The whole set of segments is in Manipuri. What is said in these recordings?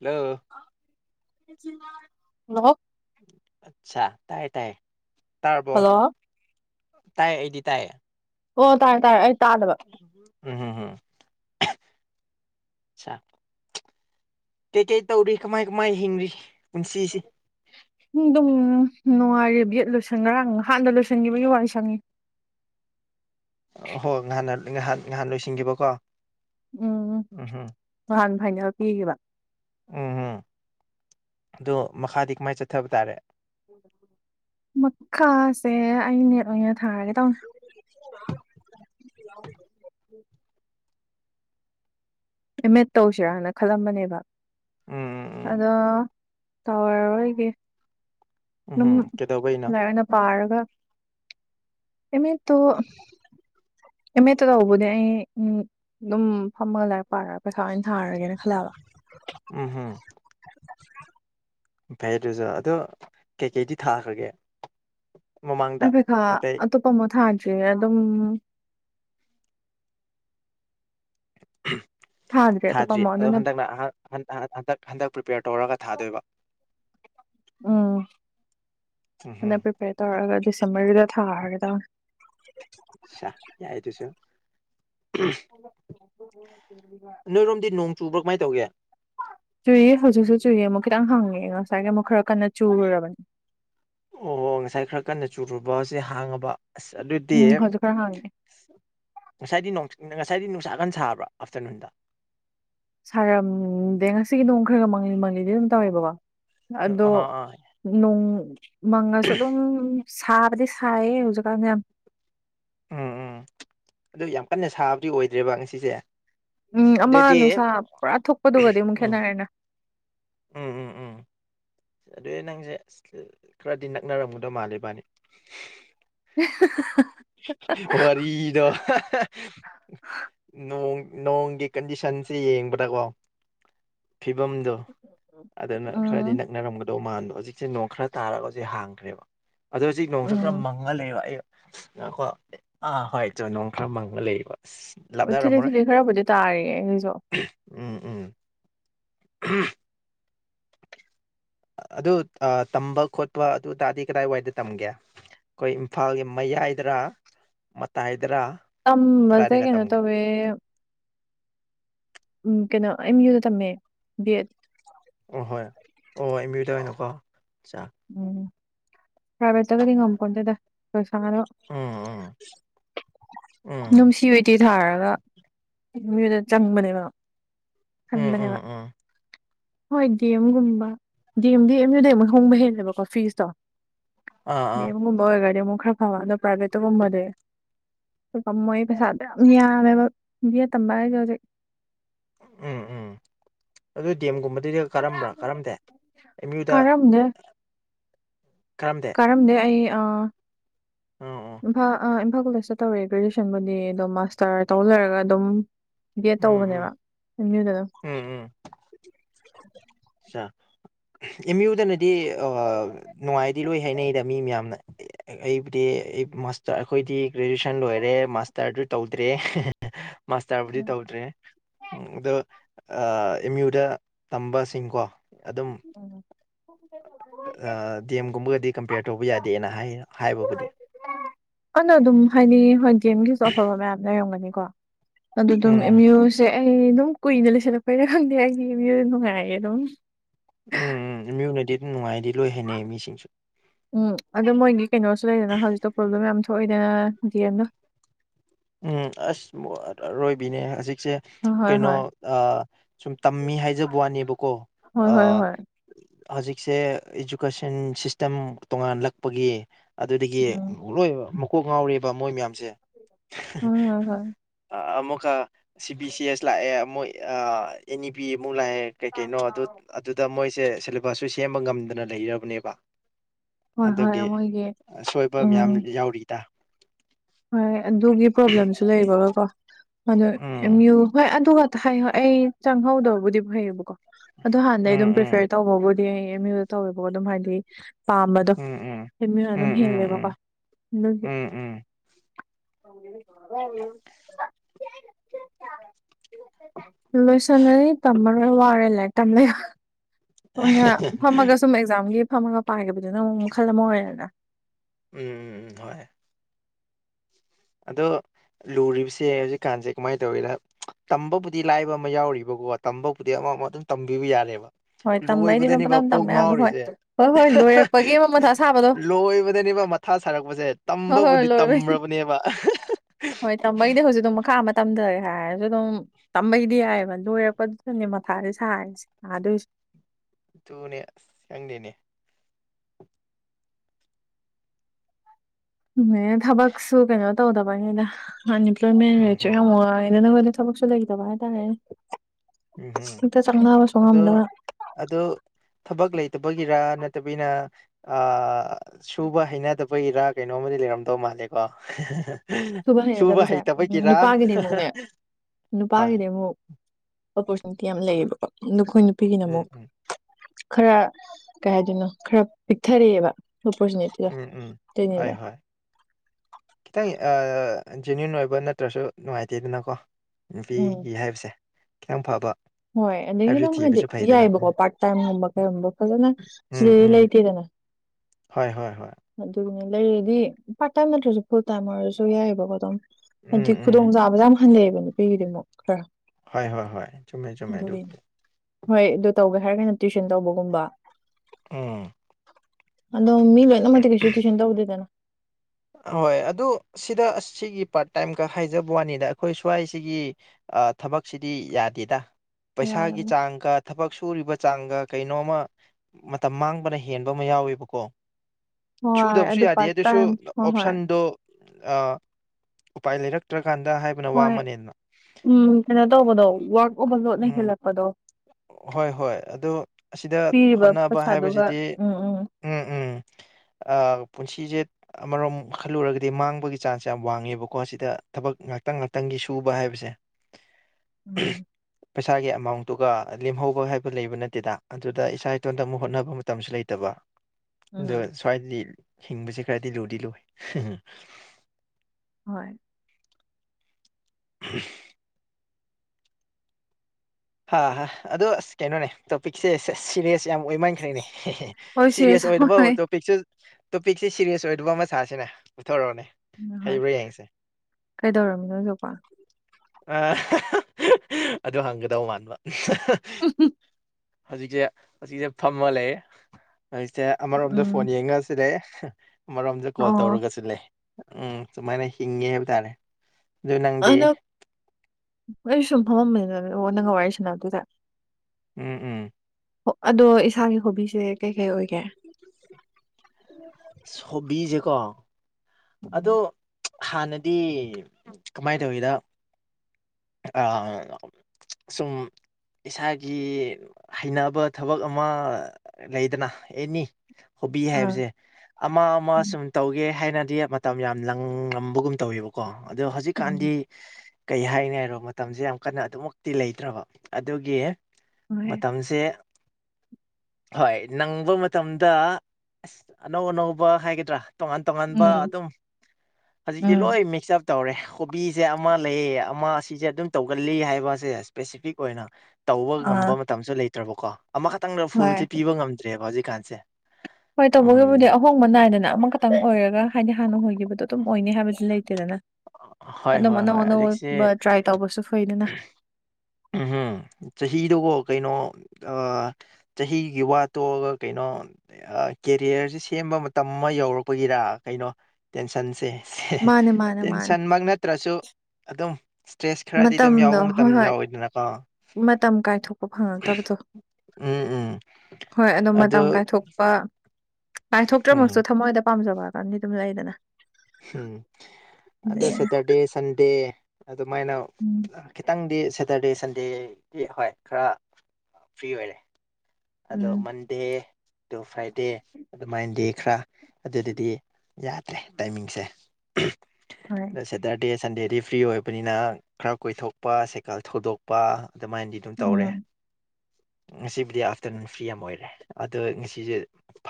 ꯍꯜꯂꯣ ꯍꯜꯂꯣ ꯑꯠꯆꯥ ꯇꯥꯏꯌꯦ ꯇꯥꯏꯌꯦ ꯇꯥꯔꯕꯣ ꯍꯜꯂꯣ ꯇꯥꯏꯌꯦ ꯑꯩꯗꯤ ꯇꯥꯏꯌꯦ ꯑꯣ ꯇꯥꯔꯦ ꯇꯥꯏꯦ ꯑꯩ ꯇꯥꯗꯕ ꯎꯝꯝ ꯎꯝ ꯀꯩꯀꯩ ꯇꯧꯔꯤ ꯀꯃꯥꯏ ꯀꯃꯥꯏ ꯍꯤꯡꯔꯤ ꯄꯨꯟꯁꯤꯁꯤ ꯑꯗꯨꯝ ꯅꯨꯡꯉꯥꯏꯔꯦ ꯕꯠ ꯂꯣꯏꯁꯟ ꯉꯔꯥꯡ ꯍꯥꯟꯅ ꯂꯣꯏꯁꯤꯟꯈꯤꯕꯒꯤ ꯋꯥꯔꯤ ꯁꯪꯉꯤ ꯍꯣ ꯉꯍꯥꯟ ꯉꯍꯥꯟ ꯉꯍꯥꯟ ꯂꯣꯏꯁꯤꯟꯈꯤꯕꯀꯣ ꯎꯝ ꯅꯍꯥꯟ ꯐꯥꯏꯅꯦꯜ ꯄꯤꯈꯤꯕ ꯎꯝ ꯎꯝ ꯑꯗꯣ ꯃꯈꯥꯗꯤ ꯀꯃꯥꯏ ꯆꯠꯊꯕ ꯇꯥꯔꯦ ꯃꯈꯥꯁꯦ ꯑꯩꯅꯦꯠ ꯑꯣꯏꯅ ꯊꯥꯔꯒꯦ ꯇꯧꯅꯦ ꯑꯦꯝ ꯑꯦꯗ ꯇꯧꯁꯤꯔꯥꯅ ꯈꯜꯂꯝꯕꯅꯦꯕ ꯎꯝ ꯎꯝ ꯎꯝ ꯑꯗꯣ ꯇꯧꯔꯔꯣꯏꯒ ꯑꯗꯨꯝ ꯎꯝꯍꯝ ꯀꯩꯗꯧꯕꯩꯅꯣ ꯂꯥꯏꯔꯤꯛ ꯑꯣꯏꯅ ꯄꯥꯔꯒ ꯑꯃꯤꯇꯣ ꯑꯦꯝ ꯑꯦꯠꯇ ꯇꯧꯕꯗꯤ ꯑꯩ ꯑꯗꯨꯝ ꯐꯝꯃꯒ ꯂꯥꯏꯔꯤꯛ ꯄꯥꯔꯒ ꯄꯩꯁꯥ ꯑꯣꯏꯅ ꯊꯥꯔꯒꯦꯅ ꯈꯜꯂꯛꯑꯕ ꯎꯝ ꯍꯝ ꯐꯩ ꯑꯗꯨꯁꯨ ꯑꯗꯣ ꯀꯩꯀꯩꯗꯤ ꯊꯥꯈ꯭ꯔꯒꯦ ꯃꯃꯥꯡꯗ ꯑꯇꯩ ꯀ ꯃ ꯊꯥꯖꯤꯦ ꯑꯦꯝ [inaudible] ꯊꯥꯗ꯭ꯔꯦ ꯑꯇꯣꯞꯄ ꯊꯥꯗ꯭ꯔꯤ ꯑꯃ ꯑꯗꯣ ꯑꯗꯨꯅ ꯍꯟꯗꯛꯅ ꯑꯍꯥꯛ ꯍꯟꯗꯛ ꯍꯟꯗꯛ ꯄ꯭ꯔꯤꯄꯦꯌꯔ ꯇꯧꯔꯒ ꯊꯥꯗꯣꯏꯕ ꯎꯝ ꯎꯝ ꯍꯝ ꯑ ꯀꯦ ꯇꯧꯔꯒ ꯗꯤꯁꯦꯝꯕꯔꯒꯤꯗ ꯊꯥꯒꯦ ꯇ ꯁꯥ ꯌꯥꯏꯗꯨꯁꯨ ꯀꯔꯤ ꯅꯣꯏ ꯔꯣꯝꯗꯤ ꯅꯣꯡ ꯆꯨꯕ꯭ꯔ ꯀꯃꯥꯏ ꯇꯧꯒꯦ ꯆꯨꯏꯌꯦ ꯍꯧꯖꯤꯛꯁꯨ ꯆꯨꯏꯌꯦ ꯑꯃꯨꯛ ꯈꯤꯇꯪꯉꯦ ꯉꯁꯥꯏꯒꯤ ꯑꯃꯨꯛ ꯈꯔ ꯀꯟꯅ ꯆꯨꯨꯔꯨꯔꯕꯅꯤ ꯑꯣ ꯉꯁꯥꯏ ꯈꯔ ꯀꯟꯅ ꯆꯨꯔꯨꯕ ꯍꯧꯖꯤ ꯍꯥꯡꯉꯕ ꯑꯁ ꯑꯗꯨꯗꯤ ꯎꯝ ꯍꯧꯖꯤꯛ ꯈꯔ ꯍꯥꯡꯉꯛꯑꯦ ꯉꯁꯥꯏꯗꯤ ꯉꯁꯥꯏꯗꯤ ꯅꯨꯡꯁꯥꯒꯥꯟ ꯁꯥꯕ꯭ꯔꯥꯐꯇꯔꯅꯨꯟꯗ ꯁꯥꯔꯝꯗꯦ ꯉꯁꯤꯒꯤ ꯅꯣꯡ ꯈꯔꯒ ꯃꯜ ꯃꯪꯒꯤꯗꯤ ꯑꯗꯨꯝ ꯇꯧꯋꯦꯕꯀꯣ ꯑꯗꯣ ꯑꯥ ꯑꯥ ꯅꯣꯡ ꯃꯪꯉꯁꯨ ꯑꯗꯨꯝ ꯁꯥꯕꯗꯤ ꯁꯥꯏꯌꯦ ꯍꯧꯖꯤꯛꯀꯥꯟꯗ ꯌꯥꯝ ꯎꯝ ꯎꯝ ꯑꯗꯨ ꯌꯥꯝ ꯀꯟꯅ ꯁꯥꯕꯗꯤ ꯑꯣꯏꯗ꯭ꯔꯦꯕ ꯉꯁꯤꯁꯦ ꯎꯝ ꯑꯃꯥ ꯑꯗꯨꯗꯤ ꯅꯨꯡꯁꯥ ꯄꯨꯔꯥ ꯊꯣꯛꯄꯗꯨꯒꯗꯤ ꯑꯃꯝꯛ ꯎꯝ ꯈꯦꯠꯅꯔꯦꯅꯦ ꯎꯝ ꯎꯝ ꯎꯝ ꯑꯗꯨ ꯅꯪꯁꯦ ꯑꯁ ꯈꯔꯗꯤ ꯅꯛꯅꯔꯝꯒꯗꯧ ꯃꯥꯜꯂꯦ ꯕꯥꯅꯤ [inaudible] ꯋꯥꯔꯤꯗꯣ ꯅꯣꯡꯒꯤ ꯀꯟꯗꯤꯁꯟꯁ ꯌꯦꯡꯕꯗꯀꯣ ꯐꯤꯕꯝꯗꯣ ꯑꯗꯨꯅ ꯈꯔꯗꯤ ꯎꯝ ꯅꯛꯅꯔꯝꯒꯗꯧ ꯃꯥꯟꯗꯣ ꯍꯧꯖꯤꯛꯁꯦ ꯅꯣꯡ ꯈꯔ ꯇꯥꯔꯒ ꯍꯧꯖꯤꯛ ꯍꯥꯡꯈ꯭ꯔꯦꯕ ꯑꯗꯣ ꯍꯧꯖꯤꯛ ꯅꯣꯡ ꯆꯪ ꯈꯔ ꯎꯝ ꯃꯥꯡꯍꯜꯂꯦꯕ ꯑꯩ ꯍꯣꯏ ꯑꯥ ꯍꯣꯏ ꯆꯣ ꯅꯅꯨꯡ ꯈꯔ ꯃꯪꯉ ꯂꯩꯌꯦꯕ ꯑꯁ ꯑꯣ ꯊꯤꯂꯤ ꯂꯥꯞꯅꯔꯝꯃꯔꯣꯏ ꯊꯤꯠꯜꯂꯤ ꯈꯔꯕꯨꯗꯤ ꯇꯥꯔꯤꯌꯦ ꯑꯩꯁꯨ ꯎꯝ ꯎꯝ ꯍꯥꯝ [inaudible] ꯑꯗꯨ ꯇꯝꯕ ꯈꯣꯠꯄ ꯑꯗꯨ ꯇꯔꯗꯤ ꯀꯗꯥꯏꯋꯥꯏꯗ ꯇꯝꯒꯦ ꯑꯩꯈꯣꯏ ꯏꯝꯐꯥꯜꯒꯤ ꯃꯌꯥꯏꯗꯔ ꯃꯇꯥꯏꯗꯔ ꯇꯝ ꯃꯁꯦꯒꯩꯅꯣ ꯇꯧꯋꯦ ꯎ ꯀꯩꯅꯣ ꯑꯦꯝ ꯌꯨꯗ ꯇꯝꯃꯦ ꯕꯤ ꯑꯦꯗ ꯑꯣ ꯍꯣꯏ ꯑꯣ ꯑꯦꯝꯌꯨ ꯇꯧꯅꯀꯣ ꯆꯥꯛ ꯎꯝ ꯄ꯭ꯔꯥꯏꯚꯦꯠꯇꯒꯗꯤ ꯉꯝꯄꯣꯟꯗꯦꯗ ꯄꯣꯏꯁꯥ ꯉꯅꯣ ꯑꯥ ꯑꯥ ꯅꯨꯡꯁꯤ ꯑꯣꯏꯗꯦ ꯊꯥꯔꯒ ꯃꯤꯑꯣꯏꯗ ꯆꯪꯕꯅꯦꯕ ꯎꯝ ꯎꯝ ꯈꯟꯕꯅꯦꯕ ꯎꯝ ꯍꯣꯏ ꯗꯤ ꯑꯦꯝꯒꯨꯝꯕ ꯗꯤ ꯑꯦꯝ ꯗꯤ ꯑꯦꯝ ꯌꯨꯗꯩ ꯑꯃꯨꯛ ꯍꯣꯡꯕ ꯍꯦꯜꯂꯕꯀꯣ ꯐꯤꯁꯇꯣ꯫ ꯑꯥ ꯑꯥ ꯗꯦꯝꯒꯨꯝꯕ ꯑꯣꯏꯒꯔꯗꯤ ꯑꯃꯨꯛ ꯈꯔ ꯐꯒꯗꯕ ꯑꯗꯣ ꯄ꯭ꯔꯥꯏꯚꯦꯠꯇꯒꯨꯝꯕꯗꯤ꯫ ꯉꯥꯝꯃꯣꯏꯒꯤ ꯄꯩꯁꯥꯗ ꯌꯥꯝꯃꯦꯕ ꯕꯦꯠ ꯇꯝꯕ ꯍꯥꯏꯁꯦ ꯍꯧꯖꯤꯛ꯫ ꯎꯝ ꯎꯝ꯫ ꯑꯗꯨ ꯗꯦꯝꯒꯨꯝꯕꯗꯨꯗ ꯀꯔꯝꯕ꯭ꯔꯥ ꯀꯔꯝꯗꯦ ꯑꯦꯝ ꯌꯨꯗ ꯀꯥꯔꯝꯗꯦ ꯀꯔꯝꯗꯦ꯫ ꯀꯔꯝꯗꯦ ꯑꯩ ꯑꯥ ꯑꯣ ꯏꯝꯐꯥꯜ ꯏꯝꯐꯥꯜ ꯀꯣꯂꯦꯖꯇ ꯇꯧꯔꯦ ꯒ꯭ꯔꯦꯖꯦꯁꯟꯕꯨꯗꯤ ꯑꯗꯨꯝ ꯃꯥꯁꯇꯔ ꯇꯧ ꯂꯣꯏꯔꯒ ꯑꯗꯨꯝ ꯕꯦꯠ ꯎꯝ ꯎꯝ ꯇꯧꯕꯅꯦꯕ ꯑꯦꯝ ꯌꯨꯗ ꯑꯗꯨꯝ꯫ ꯎꯝ ꯑ ꯑꯦꯝ ꯌꯨꯗꯅꯗꯤ ꯅꯨꯡꯉꯥꯏꯗꯤ ꯂꯣꯏ ꯍꯥꯏꯅꯩꯗ ꯃꯤ ꯃꯌꯥꯝꯅ ꯑꯩꯕꯨꯗꯤ ꯑꯩꯁꯇꯔ ꯑꯩꯈꯣꯏꯗꯤ ꯒ꯭ꯔꯦꯖꯨꯑꯦꯁꯟ ꯂꯣꯏꯔꯦ ꯃꯥꯁꯇꯔꯗꯨ ꯇꯧꯗ꯭ꯔꯦ ꯃꯥꯁꯇꯔꯕꯨꯗꯤ ꯇꯧꯗ꯭ꯔꯦ ꯑꯗꯣ ꯑꯦꯝ ꯌꯨꯗ ꯇꯝꯕꯁꯤꯡꯀꯣ ꯑꯗꯨꯝ ꯦꯝꯒꯨꯝꯕꯒꯗꯤ ꯀꯝꯄꯦꯌꯔ ꯇꯧꯕ ꯌꯥꯗꯦꯅ ꯍꯥꯏ ꯍꯥꯏꯕꯕꯨꯗꯤ ꯀꯅꯣ ꯑꯗꯨꯝ ꯍꯥꯏꯅꯤ ꯍꯣꯏ ꯗꯤ ꯑꯦꯝꯒꯤꯁꯨ ꯑꯐꯕ ꯃꯌꯥꯝ ꯂꯩꯔꯝꯒꯅꯤꯀꯣ ꯑꯗꯨ ꯑꯗꯨꯝ ꯑꯦꯝ ꯎꯝ ꯌꯨꯁꯦ ꯑꯩ ꯑꯗꯨꯝ ꯀꯨꯏꯅ ꯂꯩꯣꯏꯁꯤꯜꯂꯛꯄꯩꯔ ꯈꯪꯗꯦ ꯑꯩꯁ ꯃꯤ ꯅꯨꯡꯉꯥꯏꯌꯦ ꯑꯗꯨꯝ ꯎꯝ ꯎꯝ ꯃꯤꯏꯅꯗꯤ ꯑꯗꯨꯝ ꯅꯨꯡꯉꯥꯏꯗꯤ ꯂꯣꯏ ꯍꯦꯟꯅꯩ ꯃꯤꯁꯤꯡꯁꯨ ꯎꯝ ꯑꯗꯣ ꯃꯣꯏꯒꯤ ꯀꯩꯅꯣꯁꯨ ꯂꯩꯗꯅ ꯍꯧꯖꯤꯛꯇꯣ ꯄ꯭ꯔꯣꯕ꯭ꯂꯦꯝ ꯌꯥꯝ ꯊꯣꯛꯏꯗꯅ ꯗꯤ ꯑꯦꯝꯅ ꯎꯝ ꯑꯁ ꯑꯔꯣꯏꯕꯤꯅꯦ ꯍꯧꯖꯤꯛꯁꯦ ꯍꯣꯏ ꯀꯩꯅꯣ ꯍꯣꯏ ꯑ ꯁꯨꯝ ꯇꯝꯃꯤ ꯍꯥꯏꯖꯕ ꯋꯥꯅꯦꯕꯀꯣ ꯍꯣꯏ ꯑ ꯍꯣꯏ ꯍꯣꯏ ꯍꯧꯖꯤꯛꯁꯦ ꯏꯖꯨꯀꯦꯁꯟ ꯁꯤꯁꯇꯦꯝ ꯇꯣꯉꯥꯟꯜꯂꯛꯄꯒꯤ ꯑꯗꯨꯗꯒꯤ ꯎꯝ ꯂꯣꯏ ꯃꯀꯣꯛ ꯉꯥꯎꯔꯤꯑꯕ ꯃꯣꯏ ꯃꯌꯥꯝꯁꯦ ꯍꯣꯏ ꯍꯣꯏ ꯍꯣꯏ ꯑꯃꯨꯛꯀ ꯁꯤ ꯕꯤ ꯁꯤ ꯑꯦꯁ ꯂꯥꯛꯑꯦ ꯑꯃꯨꯛ ꯑꯦꯟ ꯏ ꯄꯤ ꯑꯃꯨꯛ ꯂꯥꯛꯑꯦ꯫ ꯀꯩ ꯀꯩꯅꯣ ꯑꯗꯨ ꯑꯗꯨꯗ ꯃꯣꯏꯁꯦ ꯁꯤꯂꯦꯕꯁꯁꯨ ꯁꯦꯝꯕ ꯉꯝꯗꯅ ꯂꯩꯔꯕꯅꯦꯕ꯫ ꯍꯣꯏ ꯑꯗꯨꯒꯤ ꯍꯣꯏ ꯃꯣꯏꯒꯤ ꯑꯁꯣꯏꯕ ꯃꯌꯥꯝ ꯎꯝ ꯌꯥꯎꯔꯤꯗ꯫ ꯍꯣꯏ ꯑꯗꯨꯒꯤ ꯄ꯭ꯔꯣꯕ꯭ꯂꯦꯝꯁꯨ ꯂꯩꯕꯒꯀꯣ ꯑꯗꯣ ꯑꯦꯝ ꯎꯝ ꯌꯨ ꯍꯣꯏ ꯑꯗꯨꯒ ꯍ ꯑꯩ ꯆꯪꯍꯧꯗꯕꯨꯗꯤꯕꯨ ꯐꯩꯌꯦꯕꯀꯣ ꯑꯗ ꯍꯥꯟꯅꯩ ꯎꯝ ꯑꯗꯨꯝ ꯎꯝ ꯄ꯭ꯔꯤꯐꯔ ꯇꯧꯕꯕꯨꯗꯤ ꯑꯩ ꯑꯦꯝ ꯌꯨꯗ ꯇꯧꯋꯦꯕꯣ ꯑꯗꯨꯝ ꯍꯥꯏꯗꯤ ꯄꯥꯝꯕꯗꯣ ꯎꯝ ꯑꯦꯝꯌꯨꯅ ꯎꯝ ꯑꯗꯨꯝ ꯎꯝ ꯍꯦꯜꯂꯦꯕꯀꯣ ꯎꯝ ꯑꯗꯨꯒꯤ꯫ ꯎꯝ ꯎꯝ ꯎꯝ꯫ ꯑ [inaudible] ꯂꯣꯏꯁ ꯂꯥꯅꯤ ꯇꯝꯃꯔꯣꯏ ꯋꯥꯔꯦ ꯂꯩꯔꯤꯛ ꯇꯝ ꯂꯩꯕꯥ ꯑꯣꯏꯅ ꯐꯝꯃꯒ ꯁꯨꯝ ꯑꯦꯛꯖꯥꯝꯒꯤ ꯐꯝꯃꯒ ꯄꯥꯏꯈꯤꯕꯗꯨꯅ ꯑꯃꯨꯛ ꯃꯈꯜ ꯑꯃ ꯑꯣꯏꯔꯦꯅ꯫ ꯎꯝ ꯍꯣꯏ ꯑꯗꯣ ꯂꯨꯔꯤꯕꯁꯦ ꯍꯧꯖꯤꯛꯀꯥꯟꯁꯦ ꯀꯃꯥꯏꯅ ꯇꯧꯋꯗ ꯇꯝꯕꯕꯨꯗꯤ ꯂꯥꯏꯕ ꯑꯃ ꯌꯥꯎꯔꯤꯕꯀꯣ ꯇꯝꯕꯕꯨꯗꯤ ꯑꯃ ꯑꯃ ꯑꯗꯨꯝ ꯇꯝꯕꯤꯕ ꯌꯥꯔꯦꯕ꯫ ꯍꯣꯏ ꯇꯝꯕꯩꯗꯤ ꯑꯗꯨꯝ ꯂꯣꯏꯕꯗꯅꯦꯕ ꯄꯨꯅꯝ ꯀꯣꯛ ꯇꯝꯕ ꯌꯥꯕꯗꯣ ꯍꯣꯏ ꯉꯥꯎꯔꯤꯁꯦ ꯍꯣꯏ ꯍꯣꯏ ꯂꯣꯏꯔꯛꯄꯒꯤ ꯑꯃ ꯃꯊꯥ ꯁꯥꯕꯗꯣ ꯂꯣꯏꯕꯗꯅꯦꯕ ꯊꯥ ꯁꯥꯔꯛꯄꯁꯦ ꯍꯣꯏ ꯍꯣꯏ ꯇꯝꯕꯕꯨꯗꯤ ꯂꯣꯏꯕꯩ ꯇꯝꯕꯅꯦꯕ ꯍꯣꯏ ꯇꯝꯕꯩꯗꯤ ꯍꯧꯖꯤꯛ ꯑꯗꯨꯝ ꯃꯈꯥ ꯑꯃ ꯇꯝꯊꯔꯦ ꯍꯥꯏꯔꯁꯨ ꯑꯗꯨꯝ ꯇꯝꯕꯩꯗꯤ ꯌꯥꯏꯑꯕ ꯂꯣꯏꯔꯛꯄꯗꯨꯗꯅꯦ ꯃꯊꯥꯁ ꯁꯥꯔ ꯁꯥꯥꯗꯣꯏꯁꯦ ꯇꯨꯅꯦ ꯈꯪꯗꯦꯅꯦ ꯅꯦ ꯊꯕꯛꯁꯨ ꯀꯩꯅꯣ ꯇꯧꯗꯕꯅꯤꯅ ꯑꯟꯑꯝꯄ꯭ꯂꯣꯏꯃꯦꯟ ꯎꯝ ꯑꯣꯏꯁꯨ ꯍꯝ ꯌꯥꯝꯝꯃꯛꯑꯣ ꯍꯥꯏꯅ ꯊꯕꯛꯁꯨ ꯂꯩꯇꯕ ꯍꯥꯏꯇꯥꯔꯦ ꯎꯝ ꯍꯦꯛꯇ ꯆꯪꯅꯕꯁꯨ ꯉꯝꯗꯕ꯫ ꯑꯗꯨ ꯊꯕꯛ ꯂꯩꯇꯕꯒꯤꯔ ꯅꯠꯇꯕꯤꯅ ꯑ ꯁꯨꯕ ꯍꯩꯅꯗꯕ ꯑꯩꯈꯣꯏꯒꯤꯔꯥ ꯀꯩꯅꯣꯝꯃ ꯂꯩꯔꯝꯗꯧ ꯃꯥꯜꯂꯦꯀꯣ ꯁꯨꯕ ꯍꯩꯅꯗꯕꯁꯦ ꯎꯝ ꯅꯨꯄꯥꯒꯤꯗꯤ ꯑꯃꯨꯛꯅꯦ ꯍꯣꯏ ꯅꯨꯄꯥꯒꯤꯗꯤ ꯑꯃꯨꯛ ꯑꯣꯄꯣꯔꯆꯨꯅꯤꯇꯤ ꯌꯥꯝ ꯂꯩꯌꯦꯕꯀꯣ ꯅꯈꯣꯏ ꯅꯨꯄꯤꯒꯤꯅ ꯎꯝ ꯑꯃꯨꯛ ꯎꯝ ꯈꯔ ꯀꯩ ꯍꯥꯏꯗꯣꯏꯅꯣ ꯈꯔ ꯄꯤꯛꯊꯔꯛꯑꯦꯕ ꯑꯣꯄꯣꯔꯆꯨꯅꯤꯇꯤꯗꯣ ꯎꯝ ꯎꯝ ꯑꯗꯨꯏꯅꯤꯗ꯫ ꯇꯩ ꯑꯥ ꯖꯦꯅ꯭ꯨꯋꯟ ꯑꯣꯏꯕ ꯅꯠꯇ꯭ꯔꯁꯨ ꯅꯨꯡꯉꯥꯏꯇꯦꯗꯅꯀꯣ ꯎꯝ ꯅꯨꯄꯤꯒꯤ ꯍꯥꯏꯕꯁꯦ ꯀꯌꯥꯝ ꯐꯕ ꯍꯣꯏ ꯑꯗꯒꯤ ꯍꯥꯏꯕꯁꯨ ꯑꯗꯨꯝ ꯍꯥꯏꯗꯤ ꯊꯤꯕꯁꯨ ꯐꯩꯗꯅ ꯌꯥꯏꯑꯕꯀꯣ ꯎꯝ ꯄꯥꯔꯠ ꯇꯥꯏꯝꯒꯨꯝꯕ ꯀꯩꯒꯨꯝꯕ ꯐꯖꯥꯅ ꯁꯤꯗꯗꯤ ꯂꯩꯇꯦꯗꯅ ꯐꯥꯏ ꯍꯣꯏ ꯍꯣꯏ ꯑꯗꯨꯅꯤ ꯂꯩꯔꯗꯤ ꯄꯥꯔꯠ-ꯇꯥꯏꯝ ꯅꯠꯇ꯭ꯔꯖꯨ ꯐꯨꯜ-ꯇꯥꯏꯝ ꯑꯣꯏꯔꯁꯨ ꯌꯥꯏꯑꯕꯀꯣ ꯑꯗꯨꯝ ꯎꯝ ꯍꯥꯏꯗꯤ ꯎꯝ ꯈꯨꯗꯣꯡꯆꯥꯕꯗꯣ ꯌꯥꯝ ꯍꯟꯗꯩꯑꯕ ꯅꯨꯄꯤꯒꯤꯗꯤ ꯑꯃꯨꯛ ꯈꯔ ꯍꯣꯏ ꯍꯣꯏ ꯍꯣꯏ ꯆꯨꯝꯃꯦ ꯆꯨꯝꯃꯦ ꯑꯗꯨꯒꯤꯅꯤ ꯑꯗꯨꯕꯨꯗꯤ ꯍꯣꯏ ꯑꯗꯨ ꯇꯧꯒꯦ ꯍꯥꯏꯔꯒꯅ ꯇꯨꯏꯁꯟ ꯇꯧꯕꯒꯨꯝꯕ ꯎꯝ ꯑꯗꯣ ꯃꯤ ꯂꯣꯏꯅꯃꯛꯇꯤ ꯀꯩꯁꯨ ꯇ꯭ꯨꯢꯁꯟ ꯇꯧꯗꯦꯗꯅ ꯑꯍꯣꯏ ꯑꯗꯨ ꯁꯤꯗ ꯁꯤꯒꯤ ꯄꯥꯔꯠ-ꯇꯥꯏꯝ ꯀ ꯍꯥꯏꯖꯕꯩ ꯋꯥꯅꯤꯗ ꯑꯩꯈꯣꯏ ꯁ꯭ꯋꯥꯏꯁꯤꯒꯤ ꯑꯥ ꯊꯕꯛꯁꯤꯗꯤ ꯌꯥꯗꯦꯗ ꯄꯩꯁꯥꯒꯤ ꯌꯥꯗꯕꯅꯦ ꯆꯥꯡꯒ ꯊꯕꯛ ꯁꯨꯔꯤꯕ ꯆꯥꯡꯒ ꯀꯩꯅꯣꯃ ꯃꯇꯝ ꯃꯥꯡꯕꯅ ꯍꯦꯟꯕ ꯑꯃ ꯌꯥꯎꯋꯦꯕꯀꯣ꯫ ꯍꯣꯏ ꯁꯨꯗꯕꯁꯨ ꯑꯗꯨ ꯌꯥꯗꯦ ꯄꯥꯔꯠ ꯑꯗꯨꯁꯨ ꯇꯥꯏꯝ ꯍꯣꯏ ꯍꯣꯏ ꯑꯗꯣ ꯑꯥ ꯎꯄꯥꯏ ꯂꯩꯔꯛꯇ꯭ꯔ ꯀꯥꯟꯗ ꯍꯥꯏ ꯍꯣꯏ ꯎꯝ ꯀꯩꯅꯣ ꯑ ꯇꯧꯕꯗꯣ ꯋꯥꯔꯛ ꯑꯣꯕꯔ ꯂꯣꯠꯅ ꯎꯝ ꯍꯦꯜꯂꯛꯄꯗꯣ꯫ ꯍꯣꯏ ꯍꯣꯏ ꯑꯗꯨ ꯑꯁꯤꯗ ꯄꯤꯔꯤꯕ ꯍꯣꯠꯅꯕ ꯄꯩꯁꯥꯗꯨꯒ ꯍꯥꯏꯕꯁꯤꯗꯤ ꯎꯝ ꯎꯝ ꯎꯝ꯫ ꯑ ꯄꯨꯟꯁꯤꯁꯦ ꯑꯃꯔꯣꯝ ꯈꯜꯂꯨꯔꯒꯗꯤ ꯃꯥꯡꯕꯒꯤ ꯆꯥꯟꯁ ꯌꯥꯝ ꯋꯥꯡꯉꯦꯕꯀꯣ ꯁꯤꯗ ꯊꯕꯛ ꯉꯥꯛꯇꯪ ꯉꯥꯛꯇꯪꯒꯤ ꯁꯨꯕ ꯍꯥꯏꯕꯁꯦ꯫ ꯑ ꯄꯩꯁꯥꯒꯤ ꯑꯦꯃꯥꯎꯟꯇꯨꯒ ꯂꯦꯝꯍꯧꯕ ꯍꯥꯏꯕ ꯂꯩꯕ ꯅꯠꯇꯦꯗ ꯑꯗꯨꯗ ꯏꯁꯥ ꯏꯇꯣꯟꯇ ꯑꯃꯨꯛ ꯍꯣꯠꯅꯕ ꯃꯇꯝꯁꯨ ꯂꯩꯇꯕ ꯑꯗꯣ ꯎꯝ ꯁ꯭ꯋꯥꯏꯗꯗꯤ ꯍꯤꯡꯕꯁꯦ ꯈꯔꯗꯤ ꯂꯨꯗꯤ ꯂꯨꯏ ꯍꯣꯏ꯫ ꯑꯍꯥꯝ ꯍꯥ-ꯍꯥ ꯑꯗꯣ ꯑꯁ ꯀꯩꯅꯣꯅꯦ ꯇꯣꯄꯤꯛꯁꯦ ꯁꯦꯁ ꯁꯤꯔꯤꯁ ꯌꯥꯝ ꯑꯣꯏ ꯃꯥꯟꯈ꯭ꯔꯦꯅꯦ ꯍꯦꯍꯦ ꯍꯣꯏ ꯁꯦꯔꯤꯌꯁ ꯁꯤꯔꯁ ꯑꯣꯏꯗꯕ ꯍꯣꯏ ꯇꯣꯄꯤꯛꯁꯨ ꯇꯣꯄꯤꯛꯁꯦ ꯁꯤꯔꯤꯌꯁ ꯑꯣꯏꯗꯕ ꯑꯃ ꯁꯥꯁꯤꯅꯦ ꯄꯨꯊꯣꯔꯛꯑꯣꯅꯦ ꯅꯍꯣꯏ ꯍꯩꯕ꯭ꯔꯥ ꯌꯦꯡꯁꯦ ꯀꯩꯗꯧꯔꯝꯃꯤꯅꯣ ꯑꯗꯨꯕꯣ ꯑ ꯑꯍꯥꯍꯥ ꯑꯗꯨ ꯍꯪꯒꯗꯧ ꯃꯥꯟꯕ ꯎꯍꯨꯝ ꯍꯧꯖꯤꯛꯁꯦ ꯃꯆꯤꯗ ꯐꯝꯃꯒ ꯂꯩꯢ ꯍꯧꯖꯤꯛꯁꯦ ꯑꯃꯔꯣꯝꯗ ꯎꯝ ꯐꯣꯟ ꯌꯦꯡꯉꯒꯁꯨ ꯂꯩ, ꯑꯃꯔꯣꯝꯗ ꯀꯣꯜ ꯑꯣ ꯇꯧꯔꯒꯁꯨ ꯂꯩ ꯎꯝ ꯁꯨꯃꯥꯏꯅ ꯍꯤꯡꯉꯦ ꯍꯥꯏꯕ ꯇꯥꯔꯦ ꯑꯗꯨ ꯅꯪꯗꯤ ꯑꯗꯣ ꯑꯩ ꯁꯨꯝ ꯐꯝꯃꯝꯕꯅꯤꯗ ꯅꯪꯒ ꯋꯥꯔꯤ ꯁꯅꯕꯗꯨꯗ ꯎꯝ ꯎꯝ ꯑꯣ ꯑꯗꯣ ꯏꯁꯥꯒꯤ ꯍꯣꯕꯤꯁꯦ ꯀꯩ ꯀꯩ ꯑꯣꯏꯒꯦ ꯍꯣꯕꯤꯁꯦ ꯀꯣ ꯑꯗꯣ ꯎꯝ ꯍꯥꯟꯅꯗꯤ ꯀꯃꯥꯏꯅ ꯇꯧꯒꯦꯗ ꯑꯥ ꯁꯨꯝ ꯏꯁꯥꯒꯤ ꯍꯩꯅꯕ ꯊꯕꯛ ꯑꯃ ꯂꯩꯗꯅ ꯑꯦꯅꯤ ꯍꯣꯕꯤ ꯑꯥ ꯍꯥꯏꯕꯖꯦ ꯑꯃ ꯑꯃ ꯎꯝ ꯁꯨꯝ ꯇꯧꯒꯦ ꯍꯥꯏꯅꯗꯤ ꯃꯇꯝ ꯌꯥꯝ ꯂꯪꯉꯝꯕꯒꯨꯝ ꯇꯧꯢꯕ ꯀꯣ ꯑꯗꯣ ꯍꯧꯖꯤꯛꯀꯥꯟꯗꯤ ꯎꯝ ꯀꯩ ꯍꯥꯏꯅꯤ ꯃꯇꯝꯖꯦ ꯌꯥꯝ ꯀꯟꯅ ꯑꯗꯨꯃꯛꯇꯤ ꯂꯩꯇ꯭ꯔꯕ ꯑꯗꯨꯒꯤ ꯍꯣꯏ ꯃꯇꯝꯖꯦ ꯍꯣꯏ ꯅꯪꯕ ꯃꯇꯝꯗ ꯑꯁ ꯑꯅꯧ ꯑꯅꯧꯕ ꯍꯥꯏꯒꯗ꯭ꯔꯥ ꯇꯣꯉꯥꯟ ꯇꯣꯉꯥꯟꯕ ꯎꯝ ꯑꯗꯨꯝ ꯍꯧꯖꯤꯛꯇꯤ ꯎꯝ ꯂꯣꯏ ꯃꯤꯛꯁ ꯑꯞ ꯇꯧꯔꯦ ꯍꯣꯕꯤꯁꯦ ꯑꯃ ꯂꯩꯌꯦ ꯑꯃ ꯁꯤꯖꯦ ꯑꯗꯨꯝ ꯇꯧꯒꯜꯂꯤ ꯍꯥꯏꯕꯁꯦ ꯏꯁꯄꯦꯁꯤꯐꯤꯛ ꯑꯣꯏꯅ ꯇꯧꯕ ꯑꯥ ꯉꯝꯕ ꯃꯇꯝꯁꯨ ꯂꯩꯇ꯭ꯔꯕꯀꯣ ꯑꯃꯈꯛꯇꯪꯗ ꯍꯣꯏ ꯐꯨꯜꯖꯦ ꯄꯤꯕ ꯉꯝꯗ꯭ꯔꯦꯕ ꯍꯧꯖꯤꯛꯀꯥꯟꯁꯦ ꯍꯣꯏ ꯇꯧꯕꯒꯤꯕꯨꯗꯤ ꯎꯝ ꯑꯍꯣꯡꯕ ꯅꯥꯏꯗꯅ ꯑꯃꯈꯛꯇꯪ ꯑꯣꯏꯔꯒ ꯍꯥꯏꯗꯤ ꯍꯥꯟꯅ ꯍꯣꯏꯒꯤꯕꯗꯣ ꯑꯗꯨꯝ ꯑꯣꯏꯅꯤ ꯍꯥꯏꯕꯗꯤ ꯂꯩꯇꯦꯗꯅ ꯍꯣꯏ ꯑꯗꯨꯝ ꯍꯣꯏ ꯑꯅꯧ ꯍꯣꯏ ꯍꯧꯖꯤꯛꯁꯦ ꯑꯅꯧꯕ ꯇ꯭ꯔꯥꯏ ꯇꯧꯕꯁꯨ ꯐꯩꯅꯤꯅ ꯎꯝꯝ ꯆꯍꯤꯗꯨꯒꯣ ꯀꯩꯅꯣ ꯑ ꯆꯍꯤꯒꯤ ꯋꯥ ꯇꯣꯛꯑꯒ ꯀꯩꯅꯣ ꯀꯦꯔꯤꯌꯔꯁꯦ ꯁꯦꯝꯕ ꯃꯇꯝ ꯑꯃ ꯌꯧꯔꯛꯄꯒꯤꯔ ꯀꯩꯅꯣ ꯇꯦꯟꯁꯟꯁꯦ ꯃꯥꯅꯦ ꯃꯥꯅꯦ ꯃꯥꯅꯦ ꯇꯦꯟꯁꯟꯃꯛ ꯅꯠꯇ꯭ꯔꯁꯨ ꯑꯗꯨꯝ ꯏꯁꯇ꯭ꯔꯦꯁ ꯈꯔꯗꯤ ꯑꯗꯨꯝ ꯃꯇꯝꯗꯣ ꯌꯥꯎꯕ ꯃꯇꯝ ꯍꯣꯏ ꯍꯣꯏ ꯌꯥꯎꯋꯤꯗꯅꯀꯣ ꯃꯇꯝ ꯀꯥꯏꯊꯣꯛꯄ ꯐꯪꯉꯛꯇꯕꯗꯣ ꯎꯝ ꯎꯝ ꯍꯣꯏ ꯑꯗꯣ ꯃꯇꯝ ꯑꯗꯨ ꯀꯥꯏꯊꯣꯛꯄ ꯀꯥꯏꯊꯣꯛꯇ꯭ꯔꯃꯁꯨ ꯎꯝ ꯊꯃꯣꯏꯗ ꯄꯥꯝꯖꯕꯀꯅꯤ ꯑꯗꯨꯝ ꯂꯩꯗꯅ ꯎꯝ ꯑꯗꯣ ꯁꯦꯇꯔꯗꯦ ꯁꯟꯗꯦ ꯑꯗꯨꯃꯥꯏꯅ ꯎꯝ [inaudible] ꯈꯤꯇꯪꯗꯤ ꯁꯦꯇꯔꯗꯦ ꯁꯟꯗꯦꯗꯤ ꯍꯣꯏ ꯈꯔ ꯐ꯭ꯔꯤ ꯑꯣꯏꯔꯦ ꯑꯗꯣ ꯎꯝ ꯃꯟ ꯗꯦ ꯑꯗꯣ ꯐ꯭ꯔꯥꯏꯗꯦ ꯑꯗꯨꯃꯥꯏꯅꯗꯤ ꯈꯔ ꯑꯗꯨꯗꯗꯤ ꯌꯥꯗ꯭ꯔꯦ ꯇꯥꯏꯃꯤꯡꯁꯦ ꯍꯣꯏ ꯁꯦꯇꯔꯗꯦ ꯁꯟꯗꯦꯗꯤ ꯐ꯭ꯔꯤ ꯑꯣꯏꯕꯅꯤꯅ ꯈꯔ ꯀꯣꯏꯊꯣꯛꯄ ꯁꯥꯏꯀꯜ ꯊꯧꯗꯣꯛ ꯄꯥ ꯑꯗꯨꯃꯥꯏꯅꯗꯤ ꯑꯗꯨꯝ ꯇꯧꯔꯦ ꯎꯝ ꯉꯁꯤꯕꯨꯗꯤ ꯑꯥꯐꯇꯔꯅꯨꯟ ꯐ꯭ꯔꯤ ꯌꯥꯝ ꯑꯣꯏꯔꯦ ꯑꯗꯣ ꯉꯁꯤꯖꯦ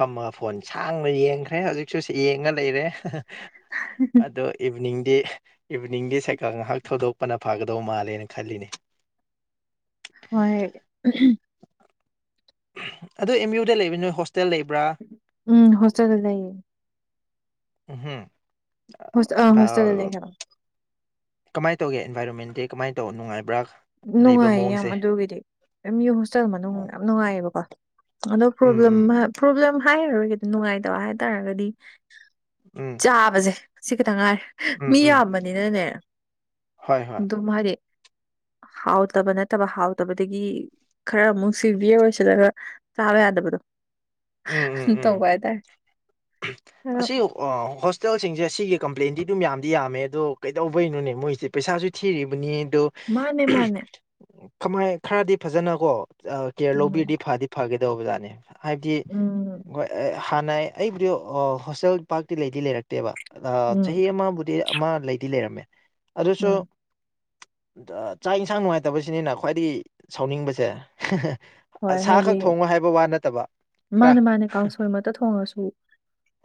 ꯐꯝꯃꯒ ꯐꯣꯟ ꯁꯥꯡꯅ ꯌꯦꯡꯈ꯭ꯔꯦ ꯍꯧꯖꯤꯛꯁꯨ ꯌꯦꯡꯉꯥ ꯂꯩꯔꯦ ꯑꯗꯣ ꯏꯕꯤꯅꯤꯡꯗꯤ ꯏꯕꯤꯅꯤꯡꯗꯤ ꯁꯥꯏꯀꯥꯜ ꯉꯥꯏꯍꯥꯛ ꯊꯧꯗꯣꯛꯄꯅ ꯐꯥꯒꯗꯧ ꯃꯥꯜꯂꯦꯅ ꯈꯜꯂꯤꯅꯦ ꯍꯣꯏ ꯑꯍꯝ ꯑꯗꯨ ꯑꯦꯝ ꯌꯨꯗ ꯂꯩꯕ ꯅꯣꯏ ꯍꯣꯁꯇꯦꯜ ꯂꯩꯕ꯭ꯔꯥ ꯎꯝ ꯍꯣꯁꯇꯦꯜ ꯂꯩꯌꯦ ꯎꯝ ꯍꯣꯁ ꯑ ꯍꯣꯁꯇꯦꯜꯗ ꯂꯩ ꯍꯥꯏꯕ ꯀꯃꯥꯏꯅ ꯇꯧꯒꯦꯟꯥꯏꯔꯣꯟꯃꯦꯟꯗꯤ ꯀꯃꯥꯏꯅ ꯇꯧ ꯅꯨꯡꯉꯥꯏꯕ꯭ꯔꯥ ꯂꯩꯕ ꯅꯨꯡꯉꯥꯏꯌꯦ ꯌꯥꯝ ꯃꯑꯣꯡꯁꯦ ꯑꯗꯨꯒꯤꯗꯤ ꯌꯨ ꯍꯣꯁꯇꯦꯜ ꯃꯅꯨꯡ ꯎꯝ ꯌꯥꯝ ꯅꯨꯡꯉꯥꯏꯌꯦꯕꯀꯣ ꯑꯗꯣ ꯄ꯭ꯔꯣꯕ꯭ꯂꯦꯝ ꯎꯝ ꯄ꯭ꯔꯣꯕ꯭ꯂꯦꯝ ꯍꯥꯏꯔꯔꯣꯏꯒꯈꯤ ꯅꯨꯡꯉꯥꯏꯇꯕ ꯍꯥꯏꯇꯥꯔꯒꯗꯤ ꯎꯝ ꯆꯥꯕꯁꯦ ꯁꯤ ꯈꯤꯇꯪ ꯉꯥꯏꯔꯦ ꯎꯝ ꯃꯤ ꯎꯝ ꯌꯥꯝꯕꯅꯤꯅꯅꯦ ꯍꯣꯏ ꯍꯣꯏ ꯑꯗꯨꯝ ꯍꯥꯏꯗꯤ ꯍꯥꯎꯇꯕ ꯅꯠꯇꯕ ꯍꯥꯎꯇꯕꯗꯒꯤ ꯈꯔ ꯑꯃꯨꯛ ꯁꯤꯚꯤꯌꯔ ꯑꯣꯏꯁꯤꯜꯂꯒ ꯆꯥꯕ ꯌꯥꯗꯕꯗꯣ ꯎꯝ ꯎꯝ ꯎꯝ ꯇꯧꯕ ꯍꯥꯏꯇꯥꯔꯦ ꯑ ꯑꯣ ꯍꯣꯁꯇꯦꯜꯁꯤꯡꯁꯦ ꯑꯁꯤꯒꯤ ꯀꯝꯄ꯭ꯂꯦꯟꯗꯤ ꯑꯗꯨꯝ ꯌꯥꯝꯗꯤ ꯌꯥꯝꯃꯦ ꯑꯗꯣ ꯀꯩꯗꯧꯕꯩꯩꯅꯣꯅꯦ ꯃꯣꯏꯁꯦ ꯄꯩꯁꯥꯁꯨ ꯊꯤꯔꯤꯕꯅꯤ ꯑꯗꯣ ꯃꯥꯅꯦ ꯃꯥꯅꯦ ꯀꯃꯥꯏ ꯈꯔꯗꯤ ꯐꯖꯅ ꯀꯣ ꯀꯦꯌꯔ ꯎꯝ ꯂꯧꯕꯤꯔꯗꯤ ꯐꯗꯤ ꯐꯒꯦꯗꯧꯕ ꯑꯣꯖꯥꯠꯅꯤ ꯍꯥꯏꯕꯗꯤ ꯎꯝ ꯍꯣꯏ ꯍꯥꯟꯅ ꯑꯩꯕꯨꯗꯤ ꯍꯣꯁꯇꯦꯜ ꯄꯥꯔꯇꯤ ꯂꯩꯗꯤ ꯂꯩꯔꯛꯇꯦꯕ ꯎꯝ ꯆꯍꯤ ꯑꯃꯕꯨꯗꯤ ꯑꯃ ꯂꯩꯗꯤ ꯂꯩꯔꯝꯃꯦ ꯑꯗꯨꯁꯨ ꯎꯝ ꯆꯥꯛ ꯌꯦꯟꯁꯥꯡ ꯅꯨꯡꯉꯥꯏꯇꯕꯁꯤꯅꯤꯅ ꯈ꯭ꯋꯥꯏꯗꯒꯤ ꯁꯥꯎꯅꯤꯡꯕꯁꯦ ꯍꯣꯏ ꯁꯥ ꯈꯛ ꯍꯥꯏꯗꯤ ꯊꯣꯡꯉꯣ ꯍꯥꯏꯕ ꯋꯥ ꯅꯠꯇꯕ ꯈꯔ ꯃꯥꯅꯦ ꯃꯥꯅꯦ ꯀꯥꯡꯁꯜ ꯑꯃꯠꯇ ꯊꯣꯡꯉꯁꯨ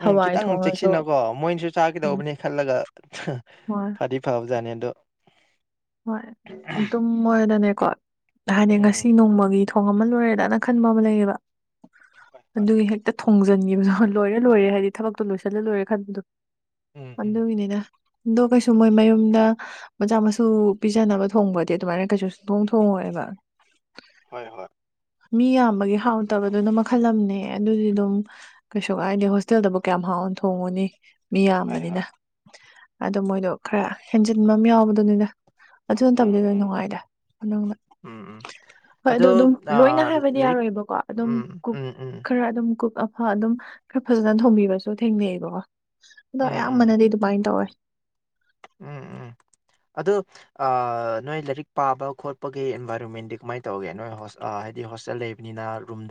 ꯎꯝ ꯍꯋꯥꯏ ꯈꯤꯇꯪ ꯊꯣꯡꯉꯁꯨ ꯆꯦꯛꯁꯤꯟꯅꯀꯣ ꯃꯣꯏꯅꯁꯨ ꯎꯝ ꯆꯥꯒꯗꯧꯕꯅꯦ ꯈꯜꯂꯒ ꯍꯣꯏ ꯐꯗꯤ ꯐꯕꯖꯠꯅꯤ ꯑꯗꯨ ꯍꯣꯏ ꯑꯗꯨꯝ ꯑꯣꯏꯗꯅꯦꯀꯣ ꯍꯥꯏꯗꯤ ꯎꯝ ꯉꯁꯤ ꯅꯣꯡꯃꯒꯤ ꯊꯣꯡ ꯑꯃ ꯂꯣꯏꯔꯦꯗꯅ ꯈꯟꯕ ꯑꯃ ꯂꯩꯌꯦꯕ ꯑꯗꯨꯒꯤ ꯍꯦꯛꯇ ꯈꯣꯡꯖꯤꯟꯈꯤꯕ ꯂꯣꯏꯔꯦ ꯂꯣꯏꯔꯦ ꯍꯥꯏꯗꯤ ꯊꯕꯛꯇꯣ ꯂꯣꯏꯁꯤꯜꯂ ꯂꯣꯏꯔꯦ ꯈꯟꯕꯗꯣ ꯍꯣꯏ ꯍꯣꯏ ꯎꯝ ꯎꯝ ꯑꯗꯨꯒꯤꯅꯤꯅ ꯑꯗꯣ ꯀꯩꯁꯨ ꯃꯣꯏ ꯃꯌꯨꯝꯗ ꯃꯆꯥ ꯃꯁꯨ ꯁꯨ ꯄꯤꯖꯅꯕ ꯊꯣꯡꯕꯗꯤ ꯑꯗꯨꯃꯥꯏꯅ ꯀꯩꯁꯨ ꯊꯣꯡ ꯊꯣꯡꯉꯣꯏꯑꯕ ꯍꯣꯏ ꯍꯣꯏ ꯃꯤ ꯌꯥꯝꯕꯒꯤ ꯍꯥꯎꯇꯕꯗꯨꯅ ꯃꯈꯜ ꯑꯃꯅꯦ ꯑꯗꯨꯗꯤ ꯑꯗꯨꯝ ꯀꯩꯁꯨ ꯀꯥꯏꯗꯦ ꯍꯣꯁꯇꯦꯜꯗꯕꯨ ꯀꯌꯥꯝ ꯍꯥꯎꯅ ꯊꯣꯡꯉꯨꯅꯤ ꯃꯤ ꯍꯣꯏ ꯍꯣꯏ ꯌꯥꯝꯕꯅꯤꯅ ꯑꯗꯣ ꯃꯣꯏꯗꯣ ꯈꯔ ꯍꯦꯟꯖꯤꯟꯕ ꯑꯃ ꯌꯥꯎꯕꯗꯨꯅꯤꯗ ꯑꯗꯨ ꯎꯝ ꯅꯠꯇꯕꯗꯤ ꯂꯣꯏ ꯎꯝ ꯅꯨꯡꯉꯥꯏꯔꯗ ꯎꯝ ꯎꯝ ꯍꯣꯏ ꯑꯗꯣ ꯑꯗꯨꯝ ꯂꯣꯏꯅ ꯍꯥꯏꯕꯗꯤ ꯂꯥꯏꯔꯤꯛ ꯌꯥꯔꯣꯏꯑꯕꯀꯣ ꯑꯗꯨꯝ ꯎꯝ ꯀꯛ ꯎꯝ ꯎꯝ ꯈꯔ ꯑꯗꯨꯝ ꯀ ꯍ ꯑꯗꯨꯝ ꯈꯔ ꯐꯖꯅ ꯊꯣꯝꯕꯤꯕꯁꯨ ꯊꯦꯡꯅꯩꯑꯕꯀꯣ ꯑꯗꯣ ꯎꯝ ꯎꯝ ꯑꯌꯥꯝꯕꯅꯗꯤ ꯑꯗꯨꯃꯥꯏꯅ ꯇꯧꯋꯦ ꯎꯝ ꯎꯝ [unintelligible] ꯑꯗꯨ ꯅꯣꯏ ꯂꯥꯏꯔꯤꯛ ꯄꯥꯕ ꯈꯣꯠꯄꯒꯤ ꯑꯦꯟꯚꯥꯏꯔꯣꯟꯃꯦꯟꯗꯤ ꯀꯃꯥꯏꯅ ꯇꯧꯒꯦ ꯅꯣꯏ ꯍꯥꯏꯗꯤ ꯍꯣꯁꯇꯦꯜ ꯂꯩꯕ ꯑꯅ ꯔꯨꯝꯗ [unintelligible]